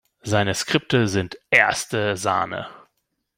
Seine Skripte sind erste Sahne.